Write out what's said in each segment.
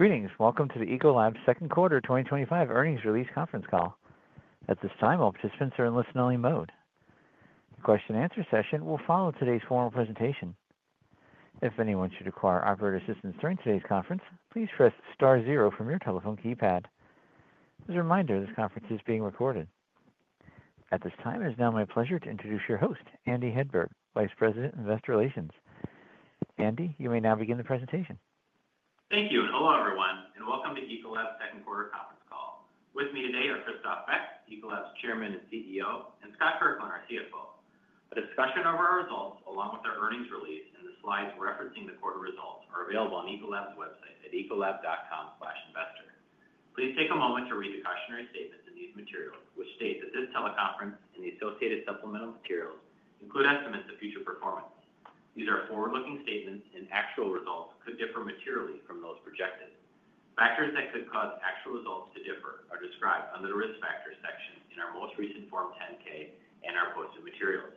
`Greetings. Welcome to the Ecolab Second Quarter 2025 Earnings Release Conference Call. At this time, all participants are in listen-only mode. The question-and-answer session will follow today's formal presentation. If anyone should require operator assistance during today's conference, please press star zero from your telephone keypad. As a reminder, this conference is being recorded. At this time, it is now my pleasure to introduce your host, Andy Hedberg, Vice President, Investor Relations. Andy, you may now begin the presentation. Thank you. Hello, everyone, and welcome to Ecolab Second Quarter Conference Call. With me today are Christophe Beck, Ecolab's Chairman and CEO, and Scott Kirkland, our CFO. A discussion over our results, along with our earnings release and the slides referencing the quarter results, are available on Ecolab's website, at ecolab.com/investor. Please take a moment to read the cautionary statements in these materials, which state that this teleconference and the associated supplemental materials include estimates of future performance. These are forward-looking statements, and actual results could differ materially from those projected. Factors that could cause actual results to differ are described under the risk factors section in our most recent Form 10-K and our posted materials.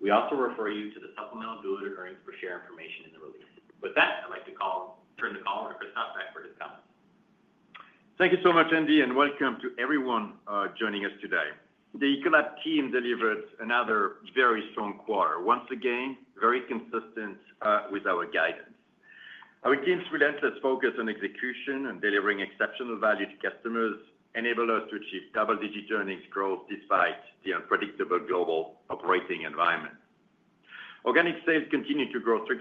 We also refer you to the supplemental diluted earnings per share information in the release. With that, I'd like to turn the call over to Christophe Beck for his comments. Thank you so much, Andy, and welcome to everyone joining us today. The Ecolab team, delivered another very strong quarter, once again, very consistent with our guidance. Our team's relentless focus on execution and delivering exceptional value to customers enabled us to achieve double-digit earnings growth, despite the unpredictable global operating environment. Organic sales continued to grow 3%,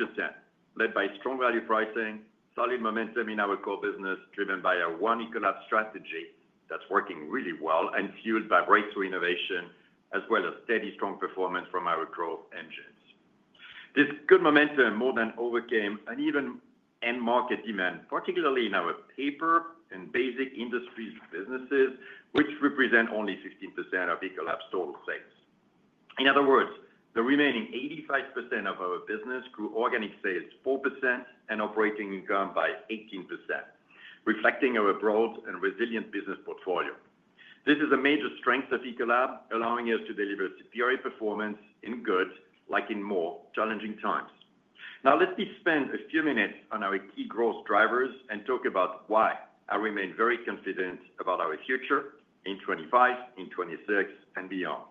led by strong value pricing, solid momentum in our core business driven by our One Ecolab strategy, that is working really well and fueled by breakthrough innovation, as well as steady, strong performance from our growth engines. This good momentum more than overcame uneven end-market demand, particularly in our paper and basic industries businesses, which represent only 15%, of Ecolab's total sales. In other words, the remaining 85%, of our business grew organic sales 4%, and operating income by 18%, reflecting our broad and resilient business portfolio. This is a major strength of Ecolab, allowing us to deliver superior performance in good, like in more challenging times. Now, let me spend a few minutes on our key growth drivers and talk about why I remain very confident about our future in 2025, in 2026, and beyond.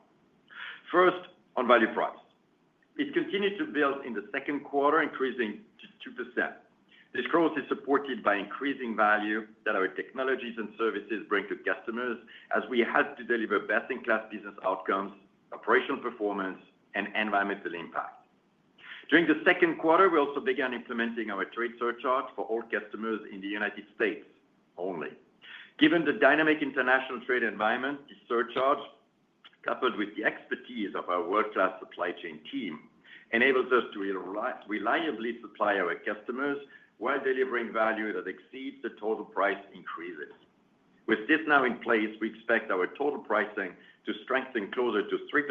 First, on value price. It continued to build in the second quarter, increasing to 2%. This growth is supported by increasing value that our technologies and services bring to customers as we help to deliver best-in-class business outcomes, operational performance, and environmental impact. During the second quarter, we also began implementing our trade surcharge for all customers in the United States only. Given the dynamic international trade environment, the surcharge, coupled with the expertise of our world-class supply chain team, enables us to reliably supply our customers while delivering value that exceeds the total price increases. With this now in place, we expect our total pricing to strengthen closer to 3%,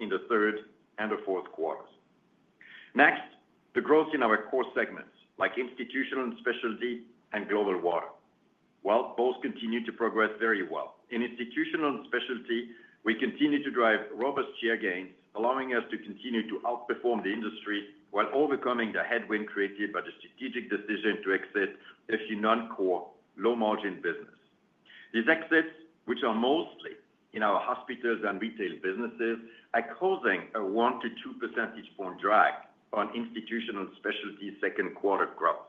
in the third and the fourth quarters. Next, the growth in our core segments, like Institutional and Specialty, and Global Water. Both continue to progress very well. In Institutional and Specialty, we continue to drive robust share gains, allowing us to continue to outperform the industry while overcoming the headwind created by the strategic decision to exit a few non-core, low-margin businesses. These exits, which are mostly in our hospitals and retail businesses, are causing a 1-2 percentage point drag, on Institutional and Specialty, second-quarter growth.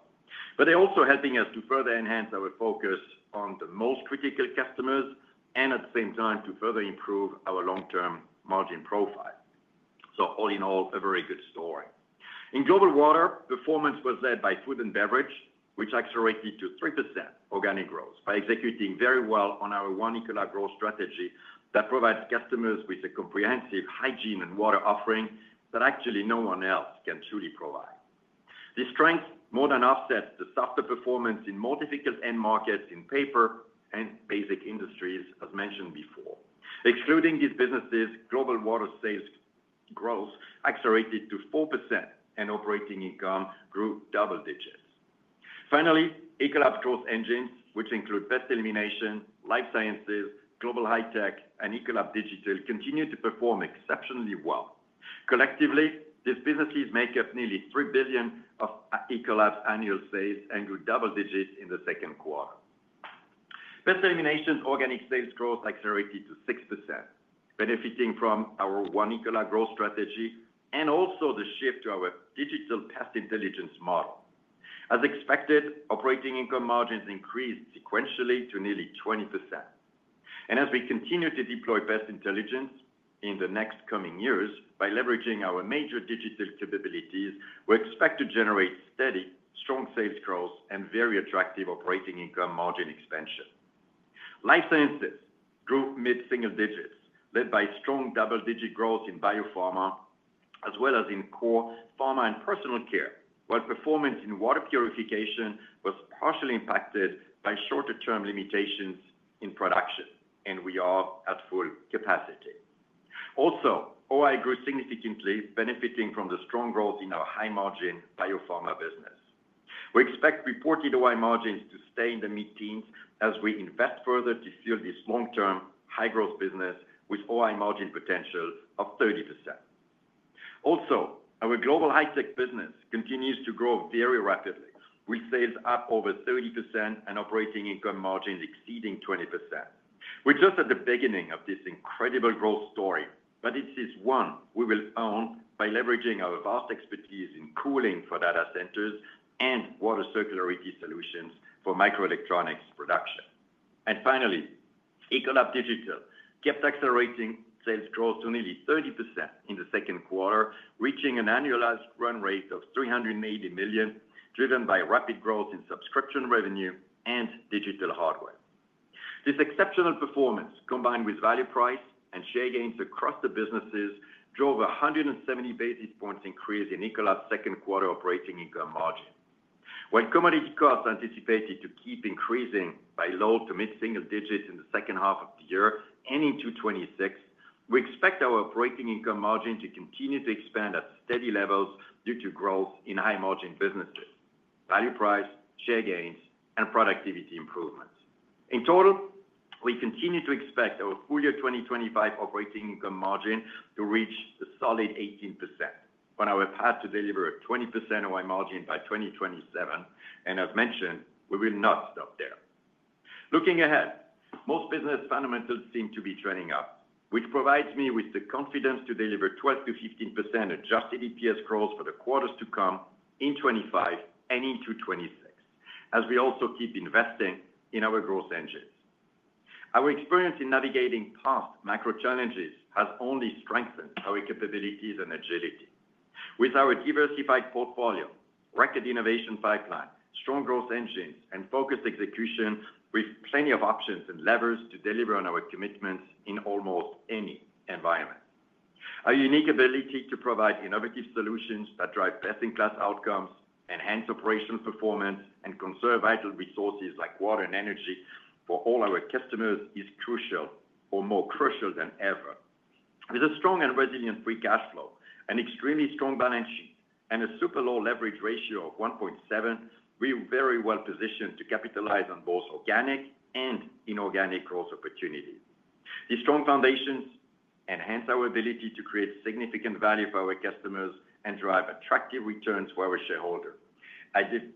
They are also helping us to further enhance our focus on the most critical customers and, at the same time, to further improve our long-term margin profile. All in all, a very good story. In Global Water, performance was led by Food and Beverage, which accelerated to 3%, organic growth by executing very well on our One Ecolab growth strategy, that provides customers with a comprehensive hygiene and water offering that actually no one else can truly provide. This strength more than offsets the softer performance in more difficult end markets in paper and basic industries, as mentioned before. Excluding these businesses, Global Water, sales growth accelerated to 4%, and operating income grew double digits. Finally, Ecolab's growth engines, which include Pest Elimination, Life Sciences, Global High-Tech, and Ecolab Digital, continue to perform exceptionally well. Collectively, these businesses make up nearly $3 billion of Ecolab's annual sales, and grew double digits in the second quarter. Pest Elimination and organic sales growth accelerated to 6%, benefiting from our One Ecolab growth strategy, and also the shift to our digital Pest Intelligence model. As expected, operating income margins, increased sequentially to nearly 20%. As we continue to deploy Pest Intelligence, in the next coming years by leveraging our major digital capabilities, we expect to generate steady, strong sales growth and very attractive operating income margin expansion. Life Sciences, grew mid-single digits, led by strong double-digit growth in biopharma, as well as in core pharma and personal care, while performance in water purification was partially impacted by shorter-term limitations, in production, and we are at full capacity. Also, operating income grew significantly, benefiting from the strong growth in our high-margin biopharma business. We expect reported operating income margins to stay in the mid-teens as we invest further to fuel this long-term high-growth business, with operating income margin potential of 30%. Our Global High-Tech business, continues to grow very rapidly, with sales up over 30%, and operating income margins exceeding 20%. We're just at the beginning of this incredible growth story, but it is one we will own by leveraging our vast expertise in cooling for data centers and water circularity solutions for microelectronics production. Finally, Ecolab Digital, kept accelerating sales growth to nearly 30%, in the second quarter, reaching an annualized run rate of $380 million, driven by rapid growth in subscription revenue and digital hardware. This exceptional performance, combined with value price and share gains across the businesses, drove a 170 basis points increase, in Ecolab's second-quarter operating income margin. While commodity costs are anticipated to keep increasing by low to mid-single digits in the second half of the year and into 2026, we expect our operating income margin to continue to expand at steady levels due to growth in high-margin businesses, value price, share gains, and productivity improvements. In total, we continue to expect our full year 2025, operating income margin to reach a solid 18%, on our path to deliver a 20%, operating income margin by 2027. As mentioned, we will not stop there. Looking ahead, most business fundamentals seem to be turning up, which provides me with the confidence to deliver 12%-15% adjusted EPS growth, for the quarters to come in 2025 and into 2026, as we also keep investing in our growth engines. Our experience in navigating past macro challenges has only strengthened our capabilities and agility. With our diversified portfolio, record innovation pipeline, strong growth engines, and focused execution, we have plenty of options and levers to deliver on our commitments in almost any environment. Our unique ability to provide innovative solutions that drive best-in-class outcomes, enhance operational performance, and conserve vital resources like water and energy for all our customers is crucial, or more crucial than ever. With a strong and resilient free cash flow, an extremely strong balance sheet, and a super low leverage ratio of 1.7, we are very well positioned to capitalize on both organic and inorganic growth opportunities. These strong foundations enhance our ability to create significant value for our customers and drive attractive returns for our shareholders.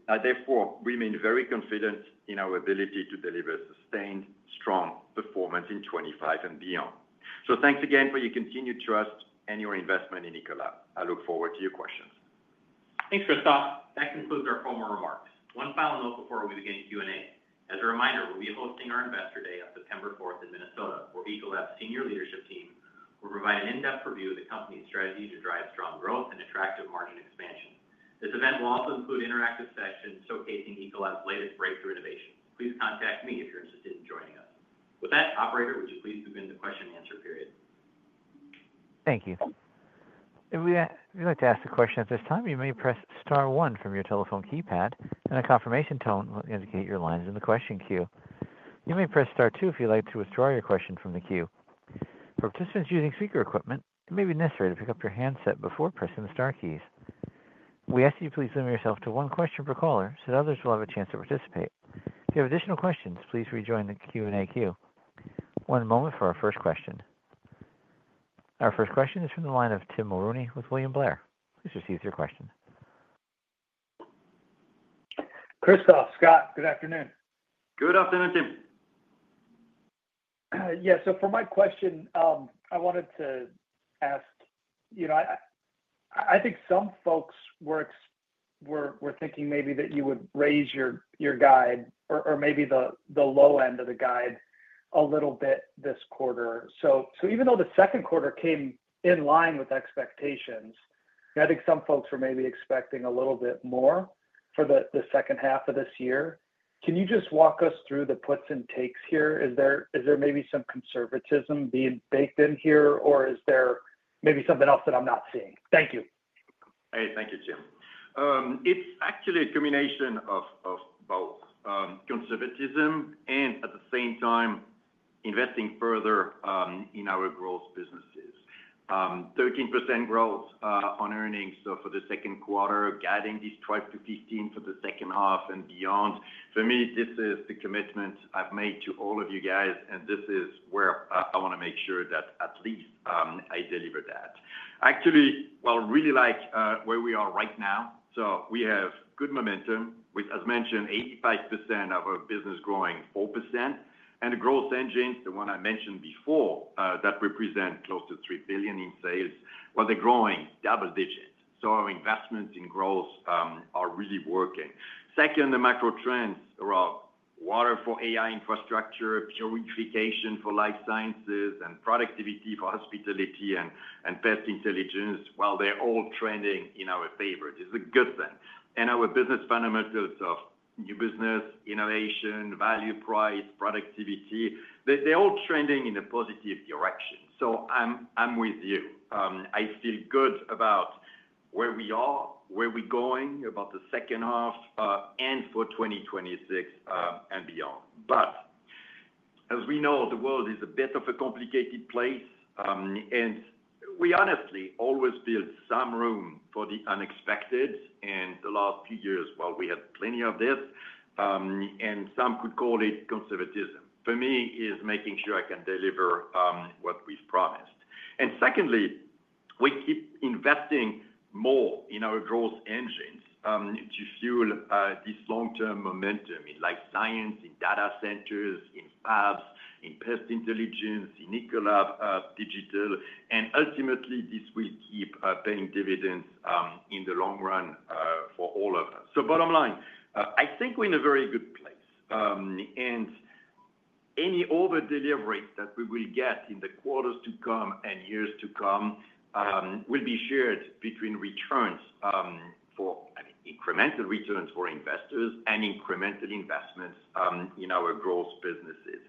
I therefore remain very confident in our ability to deliver sustained, strong performance in 2025 and beyond. Thanks again for your continued trust and your investment in Ecolab. I look forward to your questions. Thanks, Christophe. That concludes our formal remarks. One final note before we begin Q&A. As a reminder, we'll be hosting our Investor Day on September 4, in Minnesota for Ecolab's senior leadership team. We'll provide an in-depth review of the company's strategy to drive strong growth and attractive margin expansion. This event will also include interactive sessions showcasing Ecolab's, latest breakthrough innovations. Please contact me if you're interested in joining us. With that, Operator, would you please begin the question-and-answer period? Thank you. If you'd like to ask a question at this time, you may press star one from your telephone keypad, and a confirmation tone will indicate your line is in the question queue. You may press star two if you'd like to withdraw your question from the queue. For participants using speaker equipment, it may be necessary to pick up your handset before pressing the star keys. We ask that you please limit yourself to one question per caller so that others will have a chance to participate. If you have additional questions, please rejoin the Q&A queue. One moment for our first question. Our first question is from the line of Tim Mulrooney, with William Blair. Please proceed with your question. Christophe, Scott, good afternoon. Good afternoon, Tim. Yeah. For my question, I wanted to ask, I think some folks were thinking maybe that you would raise your guide or maybe the low end of the guide a little bit this quarter. Even though the second quarter came in line with expectations, I think some folks were maybe expecting a little bit more for the second half of this year. Can you just walk us through the puts and takes here? Is there maybe some conservatism being baked in here, or is there maybe something else that I'm not seeing? Thank you. Hey, thank you, Tim. It's actually a combination of both conservatism and, at the same time, investing further in our growth businesses. 13%, growth on earnings for the second quarter, guiding this tribe to 15%, for the second half and beyond. For me, this is the commitment I've made to all of you guys, and this is where I want to make sure that at least I deliver that. Actually, I really like where we are right now. We have good momentum with, as mentioned, 85%, of our business growing 4%. The growth engines, the ones I mentioned before, that represent close to $3 billion in sales, they're growing double digits. Our investments in growth are really working. Second, the macro trends around water for AI infrastructure, purification for life sciences, and productivity for hospitality and pest intelligence, they're all trending in our favor. This is a good thing. Our business fundamentals of new business, innovation, value pricing, productivity, they're all trending in a positive direction. I'm with you. I feel good about where we are, where we're going, about the second half and for 2026 and beyond. As we know, the world is a bit of a complicated place, and we honestly always build some room for the unexpected. The last few years, we had plenty of this, and some could call it conservatism. For me, it is making sure I can deliver what we've promised. Secondly, we keep investing more in our growth engines to fuel this long-term momentum in life sciences, in data centers, in fabs, in pest intelligence, in Ecolab Digital. Ultimately, this will keep paying dividends in the long run for all of us. Bottom line, I think we're in a very good place. Any overdelivery that we will get in the quarters to come and years to come will be shared between returns for, I mean, incremental returns for investors and incremental investments in our growth businesses.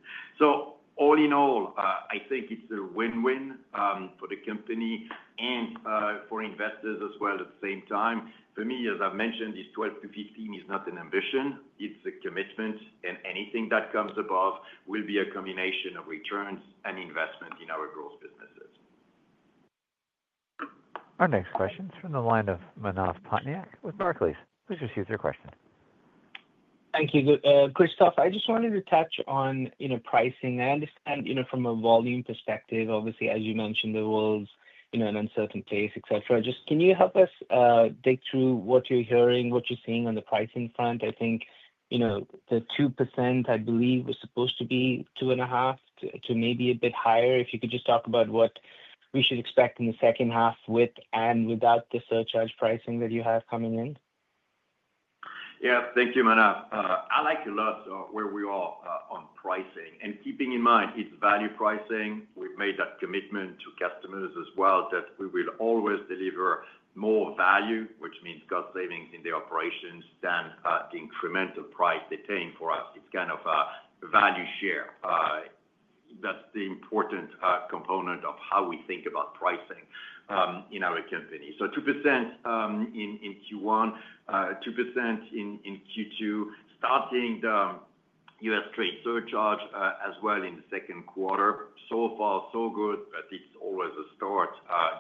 All in all, I think it's a win-win for the company and for investors as well at the same time. For me, as I've mentioned, this 12% to 15%, is not an ambition. It's a commitment, and anything that comes above will be a combination of returns and investment in our growth businesses. Our next question is from the line of Manav Patnaik, with Barclays. Please receive your question. Thank you, Christophe. I just wanted to touch on pricing. I understand from a volume perspective, obviously, as you mentioned, the world's in an uncertain place, et cetera. Just can you help us dig through what you're hearing, what you're seeing on the pricing front? I think the 2%, I believe, was supposed to be 2.5%, to maybe a bit higher. If you could just talk about what we should expect in the second half with and without the surcharge pricing, that you have coming in. Yeah. Thank you, Manav. I like a lot where we are on pricing. And keeping in mind it's value pricing, we've made that commitment to customers as well that we will always deliver more value, which means cost savings in the operations than the incremental price, they're paying for us. It's kind of a value share. That's the important component of how we think about pricing in our company. So 2%. In Q1, 2% in Q2, starting the U.S. trade surcharge as well in the second quarter. So far, so good, but it's always a start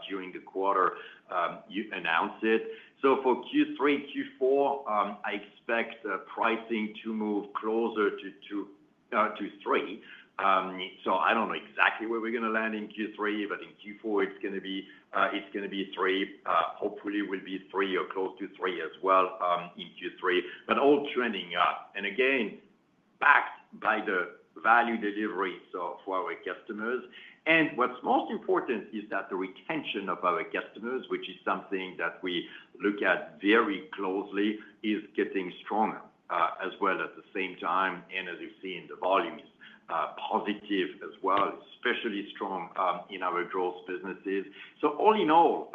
during the quarter. You announce it. For Q3, Q4, I expect pricing to move closer to 3%. I don't know exactly where we're going to land in Q3, but in Q4, it's going to be 3%. Hopefully, we'll be 3% or close to 3%, as well in Q3, but all trending up. Again, backed by the value delivery for our customers. What's most important is that the retention of our customers, which is something that we look at very closely, is getting stronger as well at the same time. As you've seen, the volume is positive as well, especially strong in our growth businesses. All in all,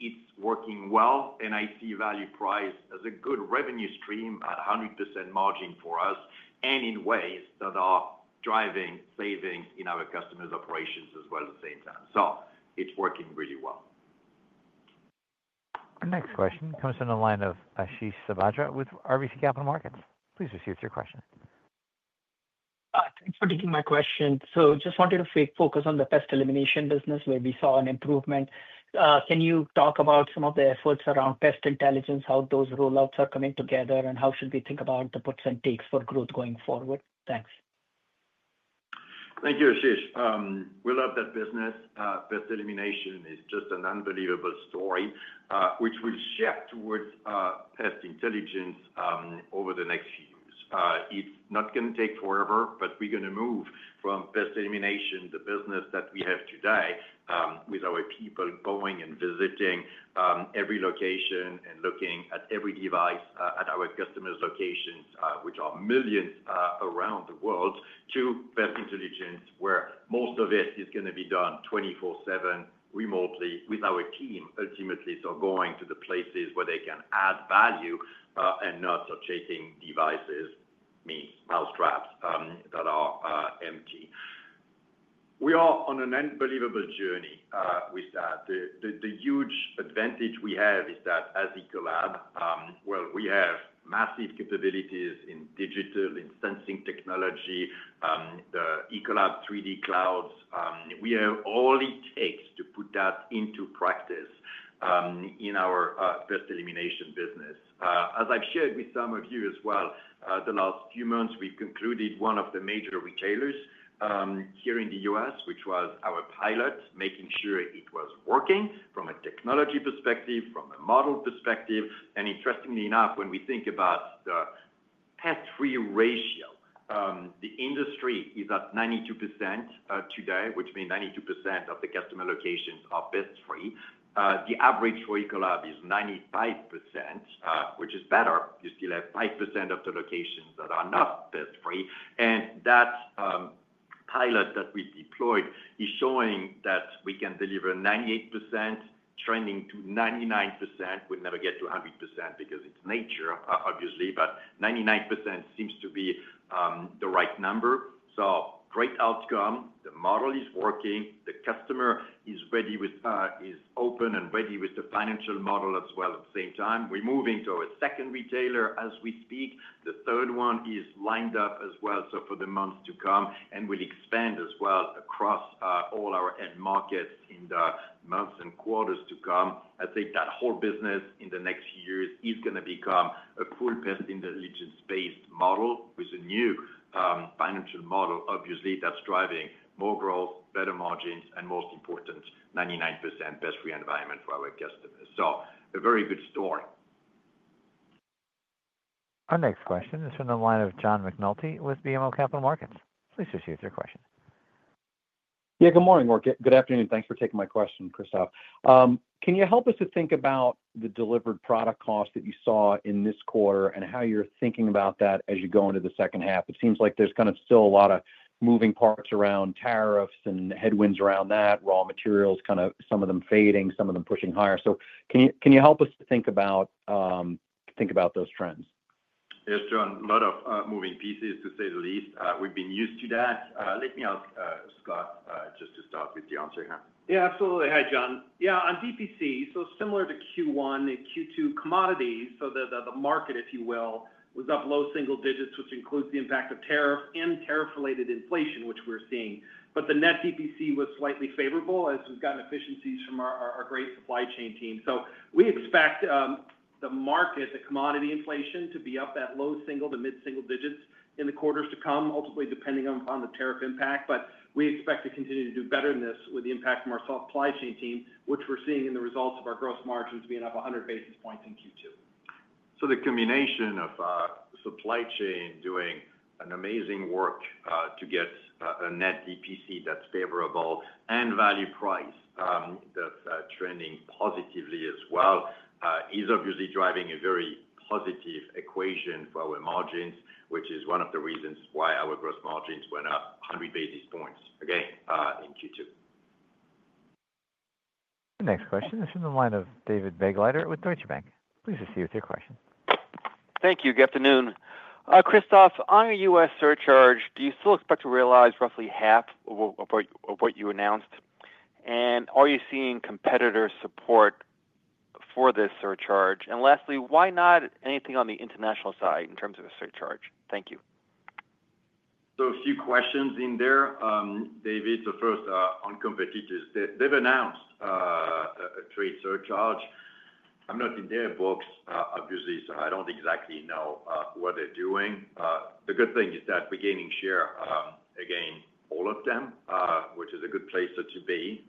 it's working well, and I see value price, as a good revenue stream at 100%, margin for us and in ways that are driving savings in our customers' operations as well at the same time. It's working really well. Our next question comes from the line of Ashish Sabadra, with RBC Capital Markets. Please receive your question. Thanks for taking my question. Just wanted to focus on the Pest Elimination business where we saw an improvement. Can you talk about some of the efforts around Pest Intelligence, how those rollouts are coming together, and how should we think about the puts and takes for growth going forward? Thanks. Thank you, Ashish. We love that business. Pest Elimination, is just an unbelievable story, which will shift towards Pest Intelligence, over the next few years. It is not going to take forever, but we are going to move from Pest Elimination, the business that we have today, with our people going and visiting every location and looking at every device at our customers' locations, which are millions around the world, ,to Pest Intelligence, where most of it is going to be done 24/7 remotely with our team ultimately. Going to the places where they can add value and not chasing devices means mousetraps that are empty. We are on an unbelievable journey with that. The huge advantage we have is that, as Ecolab, we have massive capabilities in digital and sensing technology, the Ecolab 3D clouds. We have all it takes to put that into practice in our Pest Elimination business. As I have shared with some of you as well, the last few months, we have concluded one of the major retailers here in the U.S., which was our pilot, making sure it was working from a technology perspective, from a model perspective. Interestingly enough, when we think about the pest-free ratio, the industry is at 92%, today, which means 92%, of the customer locations are pest-free. The average for Ecolab is 95%, which is better. You still have 5%, of the locations that are not pest-free. That pilot that we deployed is showing that we can deliver 98%, trending to 99%. We will never get to 100%, because it is nature, obviously, but 99%, seems to be the right number. Great outcome. The model is working. The customer is open and ready with the financial model as well at the same time. We are moving to our second retailer as we speak. The third one is lined up as well for the months to come, and we will expand as well across all our end markets in the months and quarters to come. I think that whole business in the next few years is going to become a full Pest Intelligence-based model, with a new financial model, obviously, that is driving more growth, better margins, and most important, 99% pest-free environment, for our customers. A very good story. Our next question is from the line of John McNulty, with BMO Capital Markets. Please proceed with your question. Yeah. Good morning, or good afternoon. Thanks for taking my question, Christophe. Can you help us to think about the delivered product cost that you saw in this quarter and how you're thinking about that as you go into the second half? It seems like there's kind of still a lot of moving parts around tariffs and headwinds around that, raw materials, kind of some of them fading, some of them pushing higher. Can you help us to think about those trends? Yes, John. A lot of moving pieces, to say the least. We've been used to that. Let me ask Scott just to start with the answer here. Yeah, absolutely. Hi, John. Yeah, on DPC, so similar to Q1 and Q2 commodities, the market, if you will, was up low single digits, which includes the impact of tariffs and tariff-related inflation, which we're seeing. The net DPC, was slightly favorable as we've gotten efficiencies from our great supply chain team. We expect the market, the commodity inflation, to be up that low single- to mid-single digits, in the quarters to come, ultimately depending on the tariff impact. We expect to continue to do better than this with the impact from our supply chain team, which we're seeing in the results of our gross margins being up 100 basis points in Q2. The combination of supply chain doing an amazing work to get a net DPC, that's favorable and value price, that's trending positively as well is obviously driving a very positive equation for our margins, which is one of the reasons why our gross margins went up 100 basis points again in Q2. Next question is from the line of David Begleiter, with Deutsche Bank. Please receive your question. Thank you. Good afternoon. Christophe, on your U.S. surcharge, do you still expect to realize roughly half of what you announced? Are you seeing competitor support for this surcharge? Lastly, why not anything on the international side in terms of a surcharge? Thank you. A few questions in there, David. First, on competitors. They've announced a trade surcharge. I'm not in their box, obviously, so I don't exactly know what they're doing. The good thing is that we're gaining share again, all of them, which is a good place to be.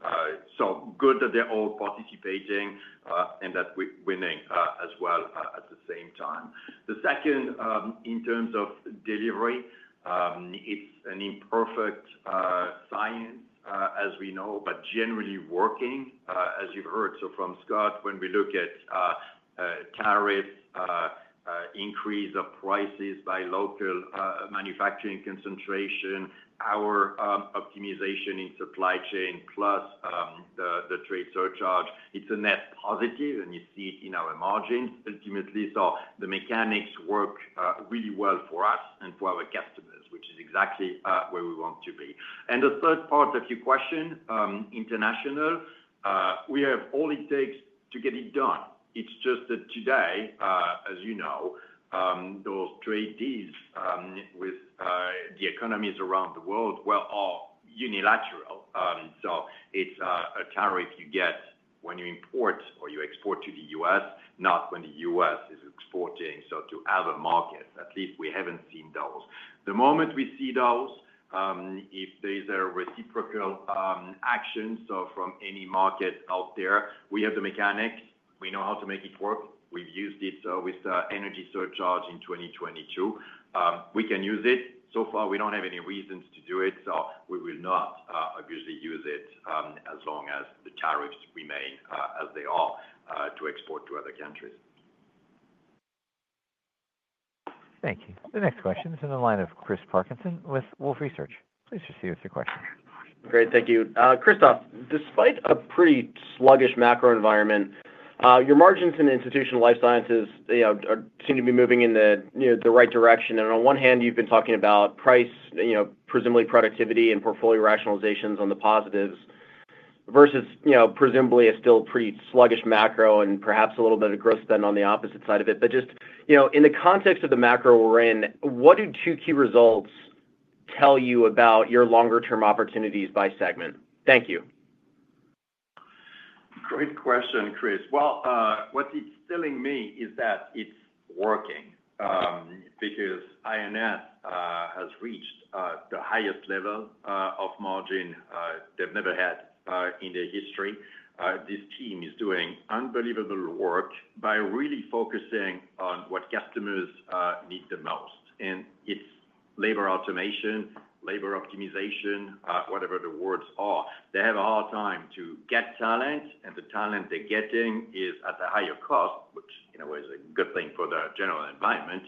Good that they're all participating and that we're winning as well at the same time. Second, in terms of delivery. It's an imperfect science, as we know, but generally working, as you've heard. From Scott, when we look at tariffs, increase of prices by local manufacturing concentration, our optimization in supply chain, plus the trade surcharge, it's a net positive, and you see it in our margins ultimately. The mechanics work really well for us and for our customers, which is exactly where we want to be. The third part of your question, international. We have all it takes to get it done. It's just that today, as you know, those trade deals with the economies around the world are unilateral. It's a tariff you get when you import or you export to the U.S., not when the U.S. is exporting. To other markets, at least we haven't seen those. The moment we see those, if there is a reciprocal action from any market out there, we have the mechanics. We know how to make it work. We've used it with the energy surcharge in 2022. We can use it. So far, we don't have any reasons to do it. We will not obviously use it as long as the tariffs remain as they are to export to other countries. Thank you. The next question is from the line of Chris Parkinson, with Wolfe Research. Please receive your question. Great. Thank you. Christophe, despite a pretty sluggish macro environment, your margins in Institutional and Life Sciences, seem to be moving in the right direction. On one hand, you've been talking about price, presumably productivity and portfolio rationalizations on the positives versus presumably a still pretty sluggish macro and perhaps a little bit of growth spend on the opposite side of it. Just in the context of the macro we're in, what do two key results tell you about your longer-term opportunities by segment? Thank you. Great question, Chris. What it's telling me is that it's working. Because INS, has reached the highest level of margin they've never had in their history. This team is doing unbelievable work by really focusing on what customers need the most. It's labor automation, labor optimization, whatever the words are. They have a hard time to get talent, and the talent they're getting is at a higher cost, which in a way is a good thing for the general environment.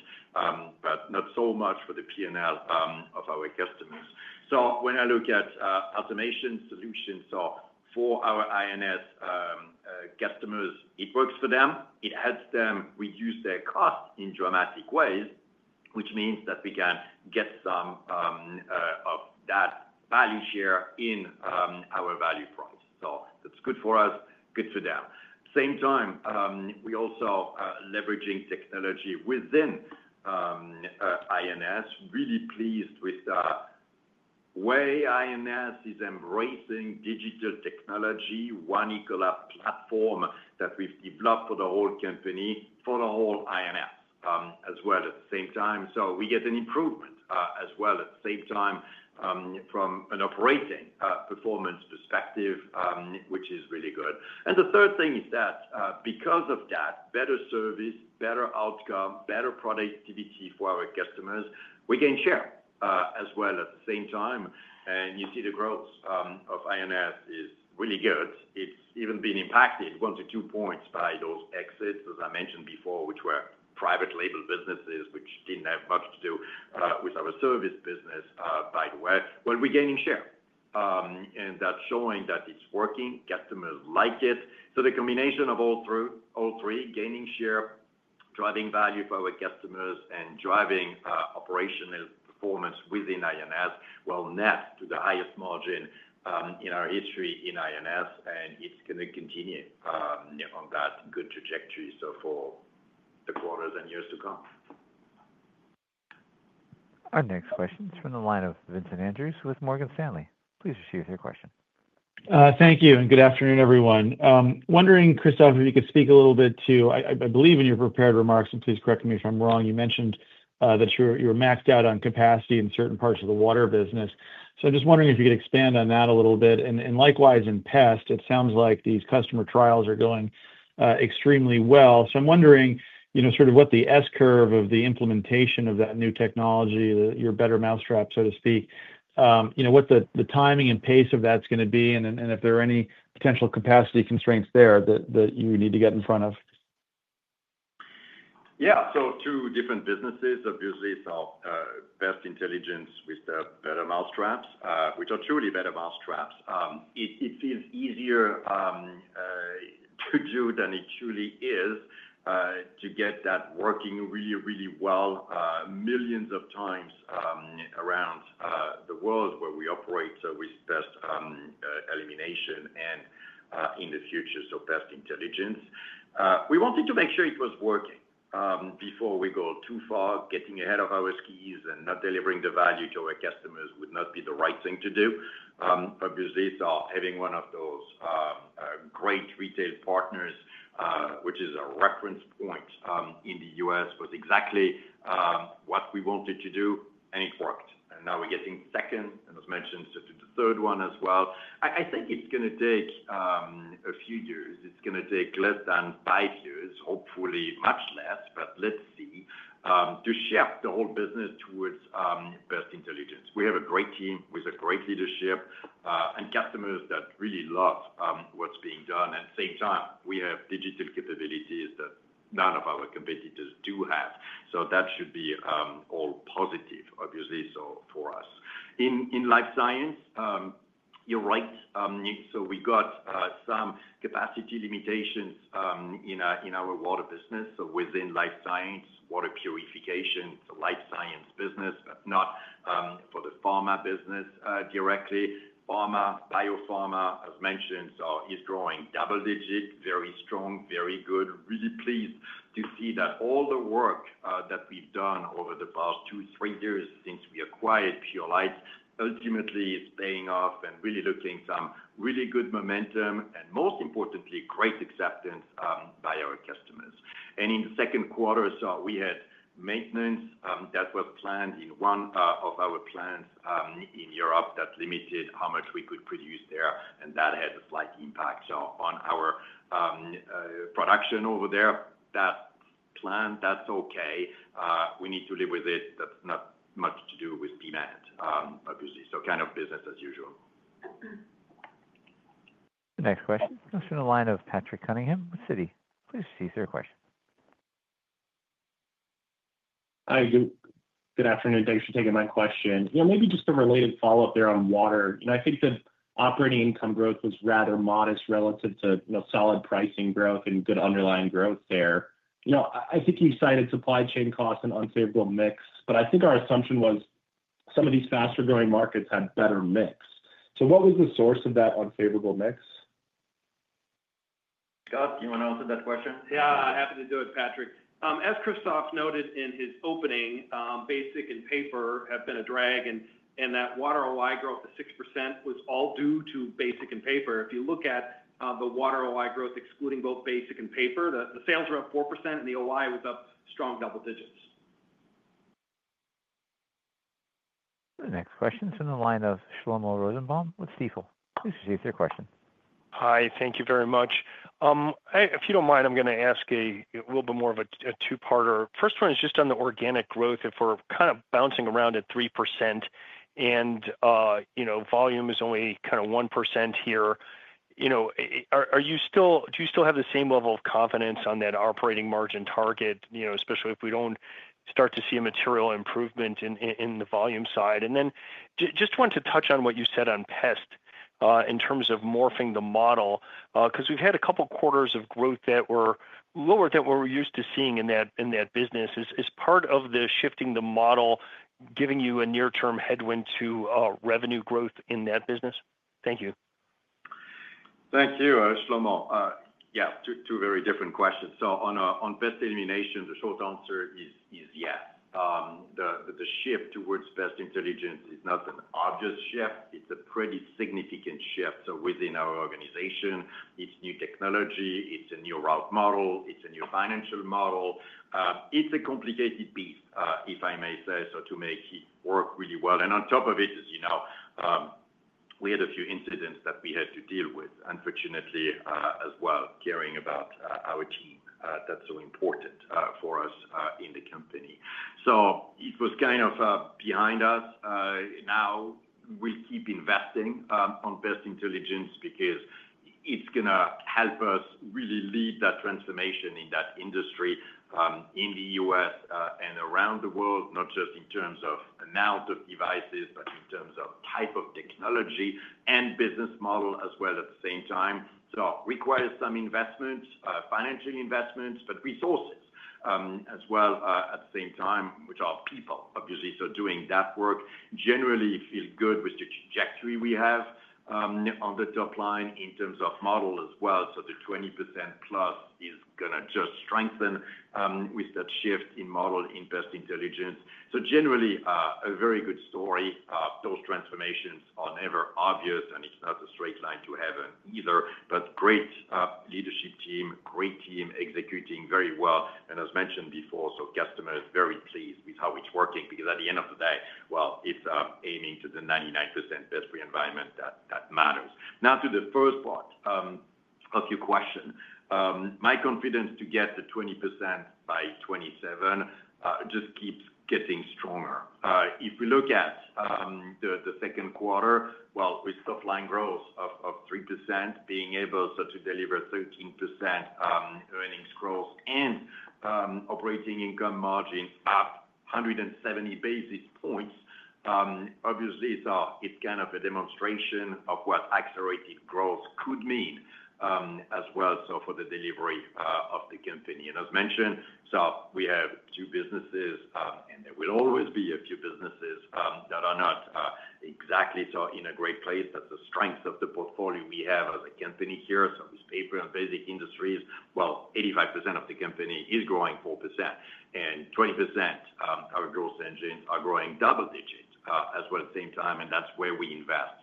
Not so much for the P&L, of our customers. When I look at automation solutions for our INS customers, it works for them. It helps them reduce their costs in dramatic ways, which means that we can get some of that value share in our value price. That's good for us, good for them. At the same time, we're also leveraging technology within INS. Really pleased with the way INS, is embracing digital technology, one Ecolab platform, that we've developed for the whole company, for the whole INS, as well at the same time. We get an improvement as well at the same time from an operating performance perspective, which is really good. The third thing is that because of that, better service, better outcome, better productivity for our customers, we gain share as well at the same time. You see the growth of INS, is really good. It's even been impacted one to two points by those exits, as I mentioned before, which were private label businesses, which didn't have much to do with our service business, by the way. We're gaining share. That's showing that it's working. Customers like it. The combination of all three, gaining share, driving value for our customers, and driving operational performance within INS, net to the highest margin in our history in INS, and it's going to continue on that good trajectory for the quarters and years to come. Our next question is from the line of Vincent Andrews, with Morgan Stanley. Please proceed with your question. Thank you. And good afternoon, everyone. Wondering, Christophe, if you could speak a little bit to, I believe in your prepared remarks, and please correct me if I'm wrong, you mentioned that you're maxed out on capacity in certain parts of the water business. I'm just wondering if you could expand on that a little bit. Likewise in pest, it sounds like these customer trials are going extremely well. I'm wondering sort of what the S-curve, of the implementation of that new technology, your better mousetrap, so to speak, what the timing and pace of that's going to be, and if there are any potential capacity constraints there that you need to get in front of. Yeah. Two different businesses, obviously. Pest Intelligence, with better mousetraps, which are truly better mousetraps. It feels easier to do than it truly is to get that working really, really well millions of times around the world where we operate with Pest Elimination, and in the future. Pest Intelligence, we wanted to make sure it was working before we go too far. Getting ahead of our skis and not delivering the value to our customers would not be the right thing to do, obviously. Having one of those great retail partners, which is a reference point in the U.S., was exactly what we wanted to do, and it worked. Now we're getting second, and as mentioned, to the third one as well. I think it's going to take a few years. It's going to take less than five years, hopefully much less, but let's see, to shift the whole business towards Pest Intelligence. We have a great team with great leadership and customers that really love what's being done. At the same time, we have digital capabilities, that none of our competitors do have. That should be all positive, obviously, for us. In Life Sciences, you're right. We got some capacity limitations in our water business. Within Life Sciences, water purification, Life Sciences business, but not for the pharma business, directly. Pharma, biopharma, as mentioned, is growing double digit, very strong, very good. Really pleased to see that all the work that we've done over the past two, three years since we acquired Pure-Light, ultimately is paying off and really looking at some really good momentum and most importantly, great acceptance by our customers. In the second quarter, we had maintenance that was planned in one of our plants in Europe, that limited how much we could produce there, and that had a slight impact on our production over there. That's planned. That's okay. We need to live with it. That's not much to do with demand, obviously. Kind of business as usual. Next question is from the line of Patrick Cunningham, with Citi. Please receive your question. Hi, good afternoon. Thanks for taking my question. Maybe just a related follow-up there on water. I think the operating income growth, was rather modest relative to solid pricing growth and good underlying growth there. I think you cited supply chain costs and unfavorable mix, but I think our assumption was some of these faster-growing markets had better mix. So what was the source of that unfavorable mix? Scott, do you want to answer that question? Yeah, happy to do it, Patrick. As Christophe, noted in his opening, basic and paper have been a drag, and that water OI growth of 6%, was all due to basic and paper. If you look at the water OI growth, excluding both basic and paper, the sales were up 4%, and the OI, was up strong double digits. The next question is from the line of Shlomo Rosenbaum, with Stifel. Please receive your question. Hi, thank you very much. If you do not mind, I am going to ask a little bit more of a two-parter. First one is just on the organic growth. If we are kind of bouncing around at 3%, and volume is only kind of 1% here, do you still have the same level of confidence on that operating margin target, especially if we do not start to see a material improvement in the volume side? Then just wanted to touch on what you said on pest in terms of morphing the model, because we have had a couple of quarters of growth that were lower than what we are used to seeing in that business. Is part of the shifting the model giving you a near-term headwind to revenue growth in that business? Thank you. Thank you, Shlomo. Yeah, two very different questions. On pest elimination, the short answer is yes. The shift towards pest intelligence is not an obvious shift. It is a pretty significant shift. Within our organization, it is new technology, it is a new route model, it is a new financial model. It is a complicated beast, if I may say, to make it work really well. On top of it, as you know, we had a few incidents that we had to deal with, unfortunately, as well, caring about our team. That is so important for us in the company. It was kind of behind us. Now we will keep investing on pest intelligence because it is going to help us really lead that transformation in that industry in the U.S. and around the world, not just in terms of amount of devices, but in terms of type of technology and business model as well at the same time. It requires some investments, financial investments, but resources as well at the same time, which are people, obviously. Doing that work generally feels good with the trajectory we have. On the top line in terms of model as well, the 20% plus, is going to just strengthen with that shift in model in pest intelligence. Generally, a very good story. Those transformations are never obvious, and it is not a straight line to heaven either, but great leadership team, great team executing very well. As mentioned before, customers are very pleased with how it is working because at the end of the day, it is aiming to the 99% pest-free environment, that matters. Now to the first part of your question. My confidence to get to 20% by 2027, just keeps getting stronger. If we look at the second quarter, with top-line growth of 3%, being able to deliver 13% earnings growth, and operating income margin up 170 basis points, it is kind of a demonstration of what accelerated growth could mean as well for the delivery of the company. As mentioned, we have two businesses, and there will always be a few businesses that are not exactly in a great place. That is the strength of the portfolio we have as a company here. With paper and basic industries, 85%, of the company is growing 4%. And 20%, of our growth engines, are growing double digits as well at the same time, and that is where we invest.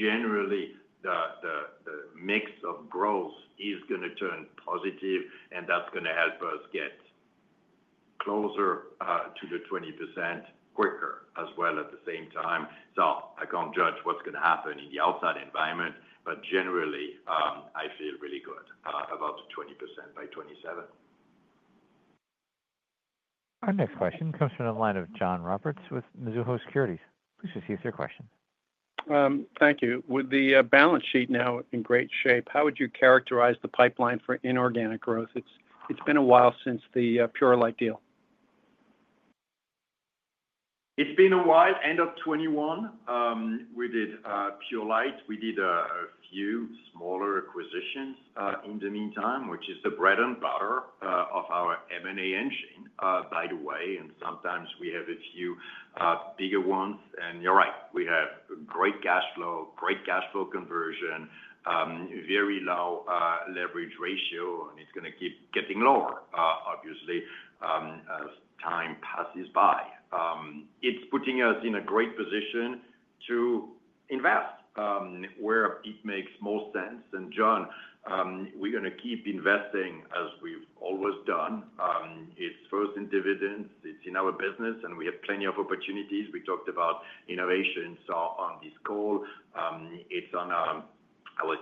Generally, the mix of growth is going to turn positive, and that is going to help us get closer to the 20%, quicker as well at the same time. I cannot judge what is going to happen in the outside environment, but generally, I feel really good about the 20%, by 2027. Our next question comes from the line of John Roberts, with Mizuho Securities. Please receive your question. Thank you. With the balance sheet now in great shape, how would you characterize the pipeline for inorganic growth? It's been a while since the Pure-Light deal. It's been a while. End of 2021. We did Pure-Light. We did a few smaller acquisitions in the meantime, which is the bread and butter of our M&A engine, by the way. Sometimes we have a few bigger ones. You are right. We have great cash flow, great cash flow conversion. Very low leverage ratio, and it's going to keep getting lower, obviously, as time passes by. It's putting us in a great position to invest where it makes most sense. John, we are going to keep investing as we've always done. It's first in dividends. It's in our business, and we have plenty of opportunities. We talked about innovations on this call. It's on our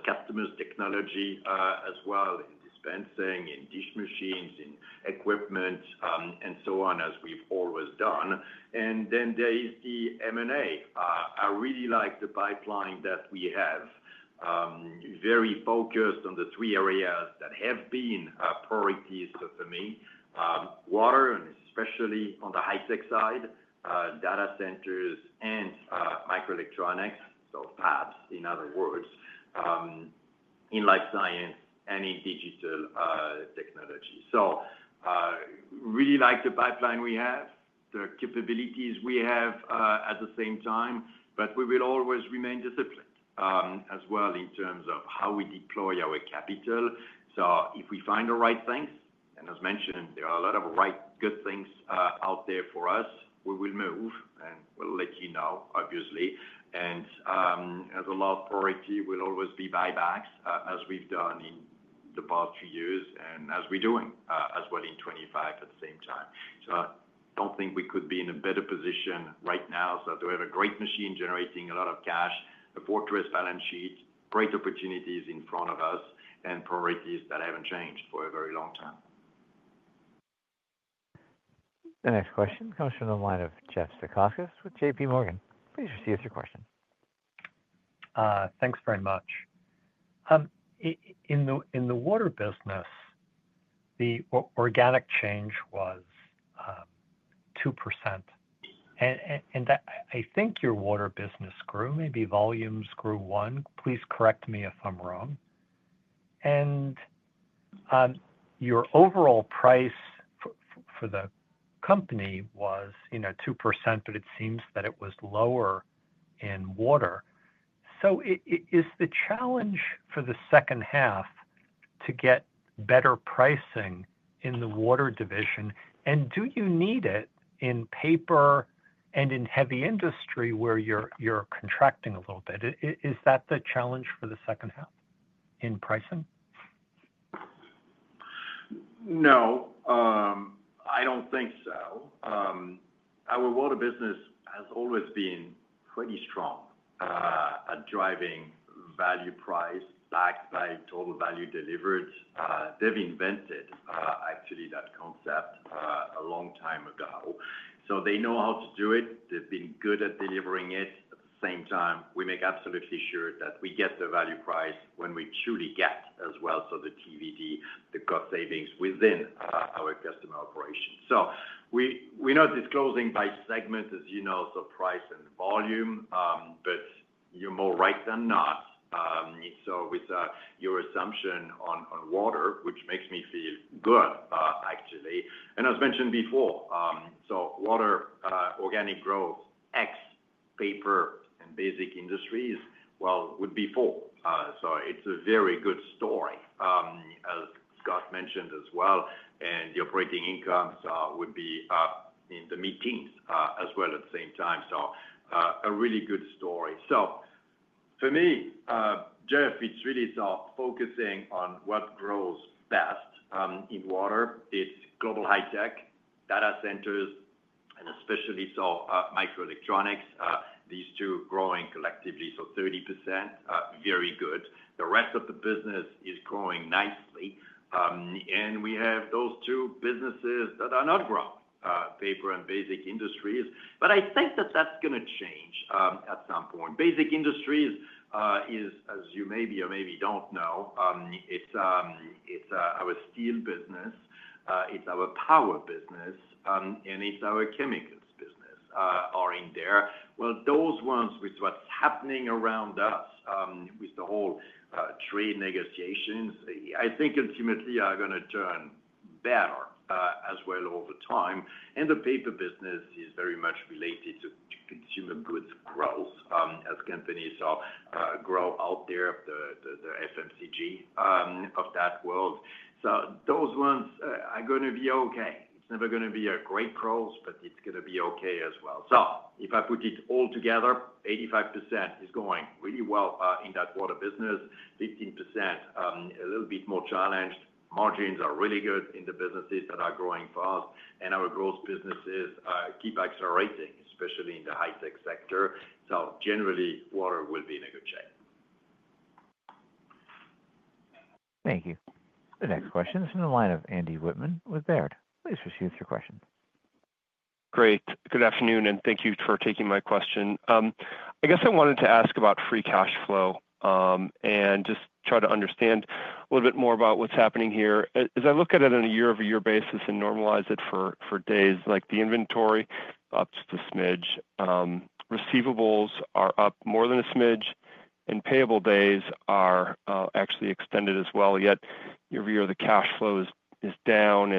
customers' technology as well, in dispensing, in dish machines, in equipment, and so on, as we've always done. There is the M&A. I really like the pipeline that we have. Very focused on the three areas that have been priorities for me: water, and especially on the high-tech side, data centers, and microelectronics. Fabs, in other words. In life science and in digital technology. I really like the pipeline we have, the capabilities we have at the same time, but we will always remain disciplined as well in terms of how we deploy our capital. If we find the right things, and as mentioned, there are a lot of right good things out there for us, we will move, and we'll let you know, obviously. As a last priority, we'll always be buybacks, as we've done in the past few years, and as we're doing as well in 2025, at the same time. I don't think we could be in a better position right now. We have a great machine generating a lot of cash, a fortress balance sheet, great opportunities in front of us, and priorities that haven't changed for a very long time. The next question comes from the line of Jeff Zekauskas, with JPMorgan. Please receive your question. Thanks very much. In the water business, the organic change was 2%. I think your water business grew, maybe volumes grew one. Please correct me if I'm wrong. Your overall price for the company was 2%, but it seems that it was lower in water. Is the challenge for the second half to get better pricing in the water division? Do you need it in paper and in heavy industry where you're contracting a little bit? Is that the challenge for the second half in pricing? No. I do not think so. Our water business has always been pretty strong at driving value price backed by total value delivered. They have invented, actually, that concept a long time ago. They know how to do it. They have been good at delivering it. At the same time, we make absolutely sure that we get the value price when we truly get as well. The TVD, the cost savings within our customer operation. We are not disclosing by segment, as you know, so price and volume, but you are more right than not. With your assumption on water, which makes me feel good, actually. As mentioned before, water organic growth, X, paper, and basic industries, would be 4. It is a very good story. As Scott mentioned as well, the operating income would be in the mid-teens as well at the same time. A really good story. For me, Jeff, it is really focusing on what grows best in water. It is Global High-Tech, data centers, and especially microelectronics, these two growing collectively. 30%, very good. The rest of the business is growing nicely. We have those two businesses that are not growing, paper and basic industries. I think that is going to change at some point. Basic industries is, as you maybe or maybe do not know, our steel business. It is our power business. It is our chemicals business. Are in there. Those ones, with what is happening around us with the whole trade negotiations, I think ultimately are going to turn better as well over time. The paper business is very much related to consumer goods growth as companies grow out there of the FMCG, of that world. Those ones are going to be okay. It is never going to be a great growth, but it is going to be okay as well. If I put it all together, 85%, is going really well in that water business. 15%, a little bit more challenged. Margins are really good in the businesses that are growing fast. Our growth businesses keep accelerating, especially in the high-tech sector. Generally, water will be in a good shape. Thank you. The next question is from the line of Andy Wittmann, with Baird. Please receive your question. Great. Good afternoon, and thank you for taking my question. I guess I wanted to ask about free cash flow. And just try to understand a little bit more about what's happening here. As I look at it on a year-over-year basis and normalize it for days, like the inventory is up just a smidge. Receivables are up more than a smidge, and payable days are actually extended as well. Yet year-over-year, the cash flow is down.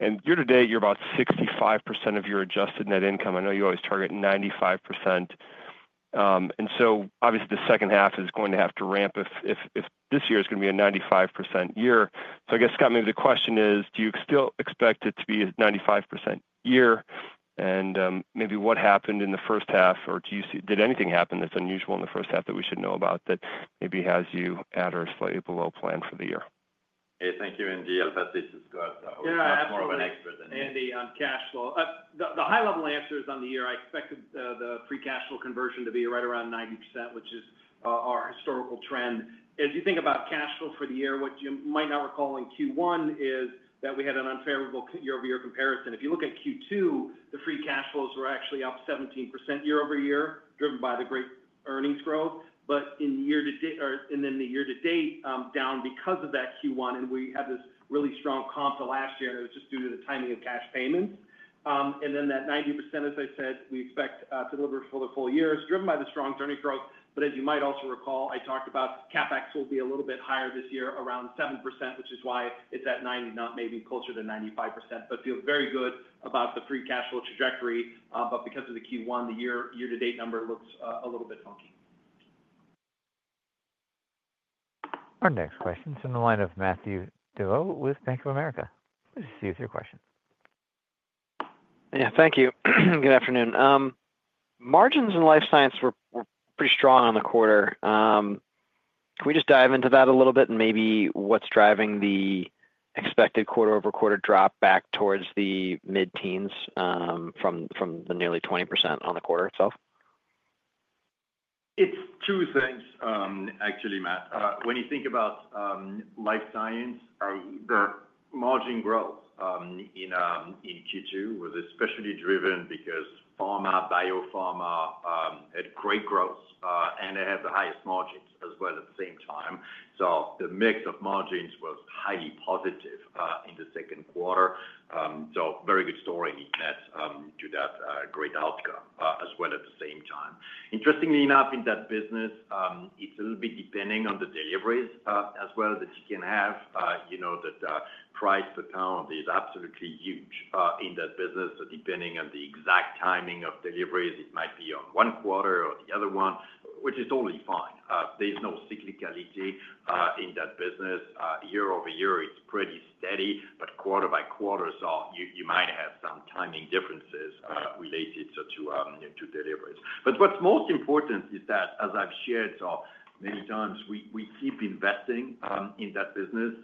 And year-to-date, you're about 65%, of your adjusted net income. I know you always target 95%. Obviously, the second half is going to have to ramp if this year is going to be a 95%, year. I guess, Scott, maybe the question is, do you still expect it to be a 95%, year? Maybe what happened in the first half, or did anything happen that's unusual in the first half that we should know about that maybe has you at or slightly below plan for the year? Yeah, thank you, Andy Hedberg. This is Scott. I was more of an expert than Andy, on cash flow. The high-level answer is on the year. I expected the free cash flow conversion, to be right around 90%, which is our historical trend. As you think about cash flow for the year, what you might not recall in Q1 is that we had an unfavorable year-over-year comparison. If you look at Q2, the free cash flows were actually up 17%, year-over-year, driven by the great earnings growth. In the year-to-date, down because of that Q1, and we had this really strong comp to last year, and it was just due to the timing of cash payments. That 90%, as I said, we expect to deliver for the full year, is driven by the strong earnings growth. As you might also recall, I talked about CapEx, will be a little bit higher this year, around 7%, which is why it is at 90, not maybe closer to 95%. I feel very good about the free cash flow trajectory. Because of the Q1, the year-to-date number looks a little bit funky. Our next question is from the line of Matthew Wardell, with Bank of America. Please receive your question. Yeah, thank you. Good afternoon. Margins in Life Sciences were pretty strong on the quarter. Can we just dive into that a little bit and maybe what's driving the expected quarter-over-quarter drop, back towards the mid-teens, from the nearly 20%, on the quarter itself? It's two things, actually, Matt. When you think about life science, the margin growth in Q2, was especially driven because pharma, biopharma had great growth, and they had the highest margins as well at the same time. The mix of margins was highly positive in the second quarter. Very good story to that great outcome as well at the same time. Interestingly enough, in that business, it's a little bit depending on the deliveries as well that you can have. That price per pound is absolutely huge in that business. Depending on the exact timing of deliveries, it might be on one quarter or the other one, which is totally fine. There's no cyclicality in that business. Year-over-year, it's pretty steady, but quarter by quarter, you might have some timing differences related to deliveries. What's most important is that, as I've shared many times, we keep investing in that business.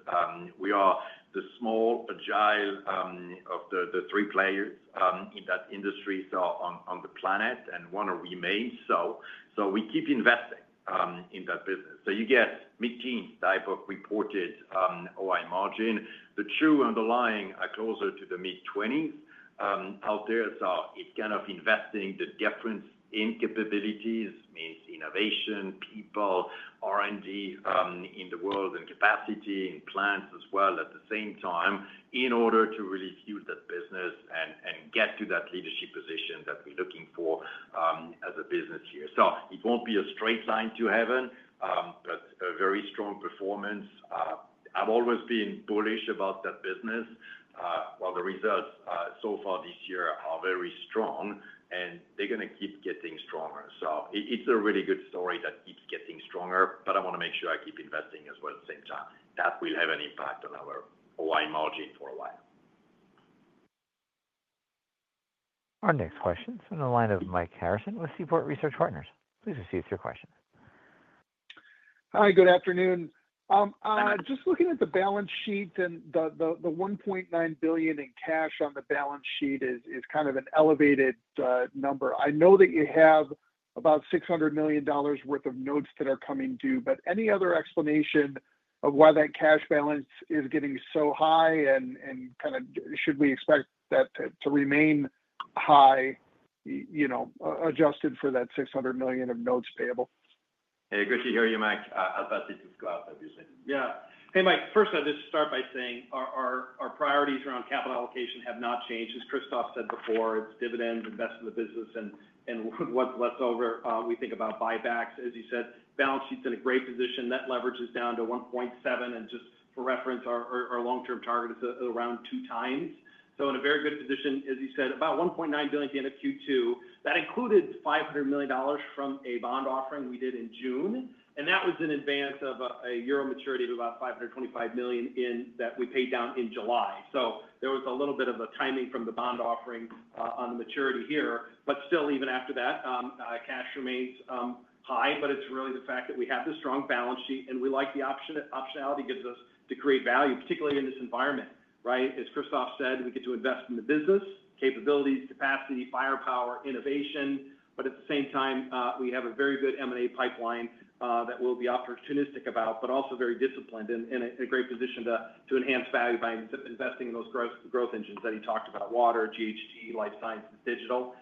We are the small agile of the three players in that industry on the planet, and one of we may. We keep investing in that business. You get mid-teens type of reported OI, margin. The true underlying are closer to the mid-20s out there. It's kind of investing the difference in capabilities, means innovation, people, R&D, in the world and capacity in plants as well at the same time in order to really fuel that business and get to that leadership position that we're looking for as a business here. It won't be a straight line to heaven, but a very strong performance. I've always been bullish about that business. While the results so far this year are very strong, and they're going to keep getting stronger. It's a really good story that keeps getting stronger, but I want to make sure I keep investing as well at the same time. That will have an impact on our OI, margin for a while. Our next question is from the line of Mike Harrison, with Seaport Research Partners. Please receive your question. Hi, good afternoon. Just looking at the balance sheet and the $1.9 billion in cash, on the balance sheet, is kind of an elevated number. I know that you have about $600 million worth of notes,, that are coming due, but any other explanation of why that cash balance is getting so high and kind of should we expect that to remain high. Adjusted for that $600 million of notes payable? Hey, good to hear you, Mike. Alphati to Scott, obviously. Yeah. Hey, Mike, first, I'll just start by saying our priorities around capital allocation have not changed. As Christophe, said before, it's dividends, investment in the business, and what's left over. We think about buybacks, as you said. Balance sheet's in a great position. Net leverage is down to 1.7. And just for reference, our long-term target is around two times. In a very good position, as you said, about $1.9 billion at Q2. That included $500 million, from a bond offering we did in June. That was in advance of a year-old maturity of about $525 million, that we paid down in July. There was a little bit of a timing from the bond offering on the maturity here. Still, even after that. Cash remains high, but it's really the fact that we have this strong balance sheet and we like the optionality it gives us to create value, particularly in this environment, right? As Christophe said, we get to invest in the business, capabilities, capacity, firepower, innovation. At the same time, we have a very good M&A pipeline, that we'll be opportunistic about, but also very disciplined and in a great position to enhance value by investing in those growth engines that he talked about: water, GHG, life sciences, digital.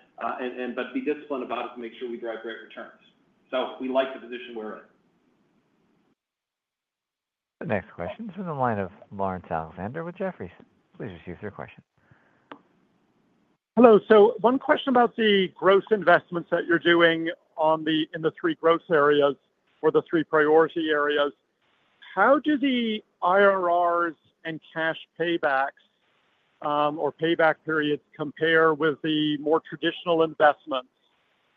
Be disciplined about it to make sure we drive great returns. We like the position we're in. The next question is from the line of Lawrence Alexander, with Jefferies. Please receive your question. Hello. One question about the growth investments that you're doing in the three growth areas or the three priority areas. How do the IRRs, and cash paybacks or payback periods, compare with the more traditional investments,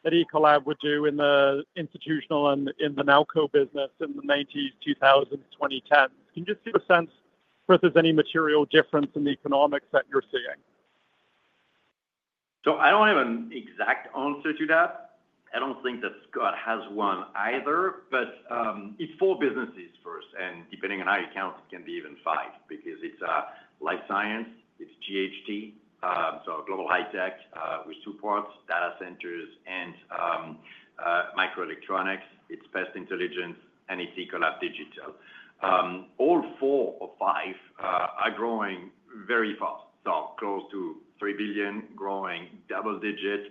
that Ecolab, would do in the Institutional and in the now-co business in the 1990s, 2000s, 2010s? Can you just give a sense of if there's any material difference in the economics that you're seeing? I do not have an exact answer to that. I do not think that Scott has one either, but it is four businesses first. Depending on how you count, it can be even five because it is Life Sciences, it is GHT, which supports data centers and microelectronics, it is Pest Intelligence, and it is Ecolab Digital. All four or five are growing very fast. Close to $3 billion, growing double-digit,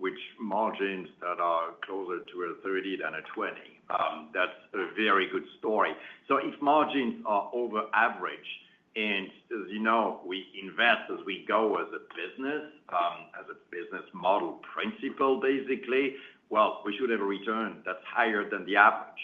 with margins that are closer to 30% than 20%. That is a very good story. If margins are over average, and as you know, we invest as we go as a business. As a business model principle, basically, we should have a return that is higher than the average.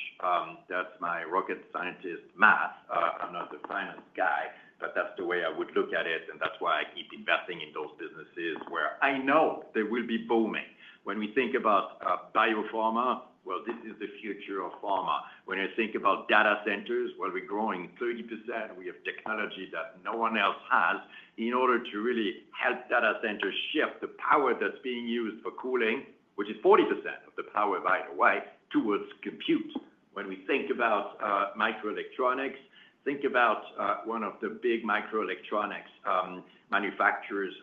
That is my rocket scientist math. I am not the finance guy, but that is the way I would look at it. That is why I keep investing in those businesses where I know they will be booming. When we think about biopharma, this is the future of pharma. When I think about data centers, we are growing 30%. We have technology that no one else has in order to really help data centers shift the power that is being used for cooling, which is 40%, of the power right away, towards compute. When we think about microelectronics, think about one of the big microelectronics manufacturers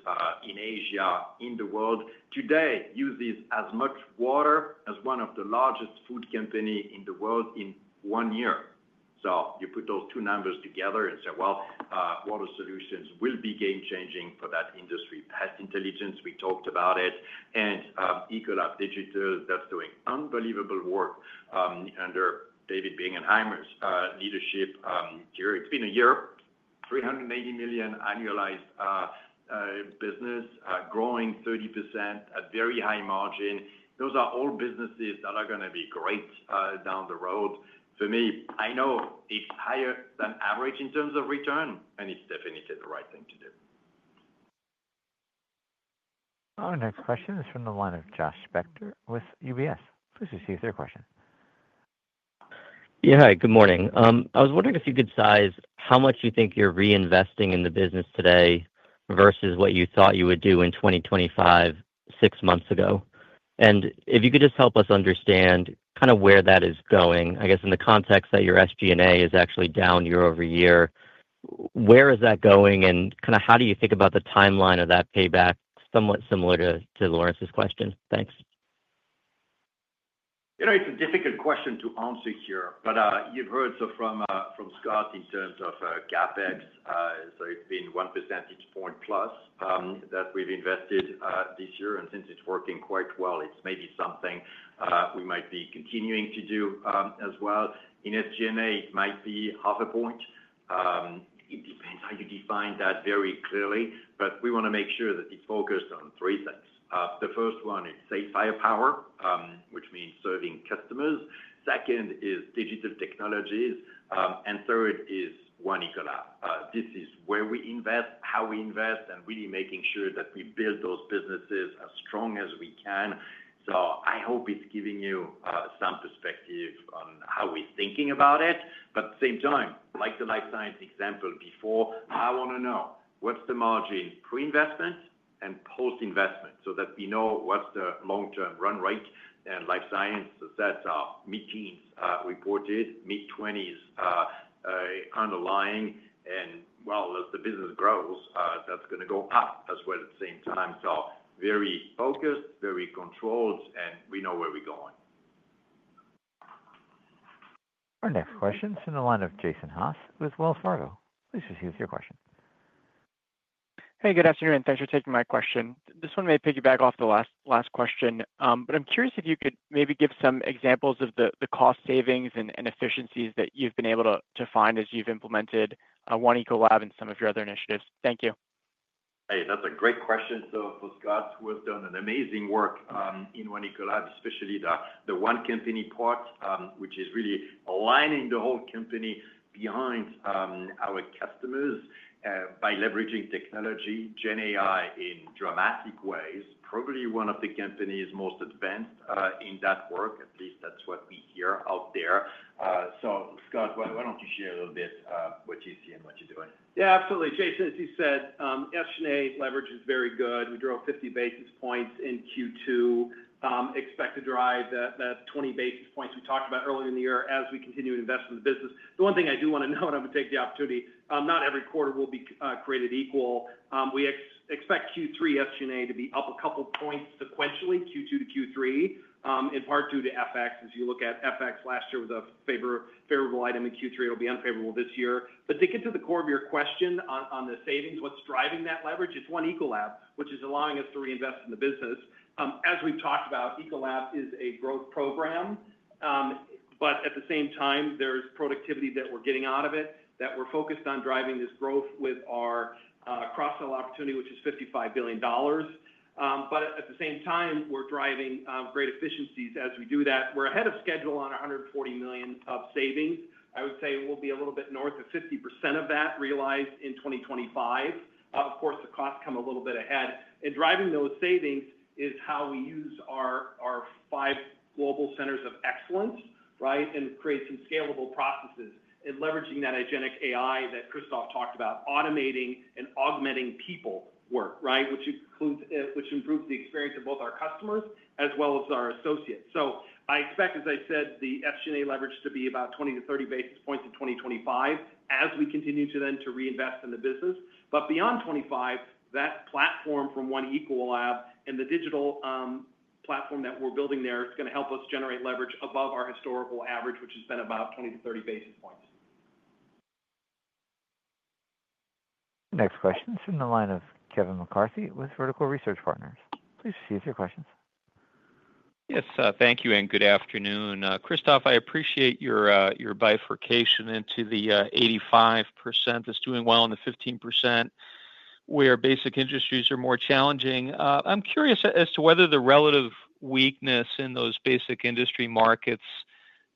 in Asia, in the world, today uses as much water as one of the largest food companies in the world in one year. You put those two numbers together and say, water solutions will be game-changing for that industry. Pest Intelligence, we talked about it. Ecolab Digital, that is doing unbelievable work under David Bingham-Hymer's, leadership here. It has been a year, $380 million, annualized business, growing 30%, at very high margin. Those are all businesses that are going to be great down the road. For me, I know it is higher than average in terms of return, and it is definitely the right thing to do. Our next question is from the line of Josh Spector, with UBS. Please proceed with your question. Yeah, hi. Good morning. I was wondering if you could size how much you think you're reinvesting in the business today versus what you thought you would do in 2025, six months ago. If you could just help us understand kind of where that is going, I guess in the context that your SG&A, is actually down year-over-year, where is that going and kind of how do you think about the timeline of that payback, somewhat similar to Lawrence's question? Thanks. You know, it's a difficult question to answer here, but you've heard from Scott in terms of CapEx. It's been 1 percentage point plus that we've invested this year. Since it's working quite well, it's maybe something we might be continuing to do as well. In SG&A, it might be half a point. It depends how you define that very clearly, but we want to make sure that it's focused on three things. The first one is safe firepower, which means serving customers. Second is digital technologies. Third is one Ecolab. This is where we invest, how we invest, and really making sure that we build those businesses as strong as we can. I hope it's giving you some perspective on how we're thinking about it. At the same time, like the life science example before, I want to know what's the margin pre-investment and post-investment, so that we know what's the long-term run rate. Life science, as I said, are mid-teens reported, mid-20s underlying. While as the business grows, that's going to go up as well at the same time. Very focused, very controlled, and we know where we're going. Our next question is from the line of Jason Haas, with Wells Fargo. Please proceed with your question. Hey, good afternoon. Thanks for taking my question. This one may piggyback off the last question, but I'm curious if you could maybe give some examples of the cost savings and efficiencies that you've been able to find as you've implemented One Ecolab, and some of your other initiatives. Thank you. Hey, that's a great question. For Scott, who has done amazing work in One Ecolab, especially the one company part, which is really aligning the whole company behind our customers by leveraging technology, GenAI in dramatic ways, probably one of the company's most advanced in that work. At least that's what we hear out there. Scott, why don't you share a little bit of what you see and what you're doing? Yeah, absolutely. Jason, as you said, SG&A leverage, is very good. We drove 50 basis points in Q2. Expect to drive that 20 basis points we talked about earlier in the year as we continue to invest in the business. The one thing I do want to note, and I'm going to take the opportunity, not every quarter will be created equal. We expect Q3 SG&A, to be up a couple of points sequentially, Q2 to Q3, in part due to FX. As you look at FX, last year was a favorable item in Q3. It'll be unfavorable this year. To get to the core of your question on the savings, what's driving that leverage? It's One Ecolab, which is allowing us to reinvest in the business. As we've talked about, Ecolab, is a growth program. At the same time, there's productivity that we're getting out of it, that we're focused on driving this growth with our cross-sell opportunity, which is $55 billion. At the same time, we're driving great efficiencies as we do that. We're ahead of schedule on $140 million of savings. I would say we'll be a little bit north of 50%, of that realized in 2025. Of course, the costs come a little bit ahead. Driving those savings is how we use our five global centers of excellence, right, and create some scalable processes and leveraging that agentic AI, that Christophe, talked about, automating and augmenting people work, right, which improves the experience of both our customers as well as our associates. I expect, as I said, the SG&A leverage, to be about 20-30 basis points in 2025, as we continue to then reinvest in the business. Beyond 2025, that platform from One Ecolab, and the digital platform that we're building there is going to help us generate leverage above our historical average, which has been about 20-30 basis points. Next question is from the line of Kevin McCarthy, with Vertical Research Partners. Please proceed with your questions. Yes, thank you and good afternoon. Christophe, I appreciate your bifurcation into the 85%, that's doing well and the 15%, where basic industries are more challenging. I'm curious as to whether the relative weakness in those basic industry markets